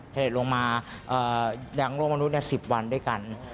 เสด็จลงมายั้งโลกมนุษย์๑๐วันด้วยกัน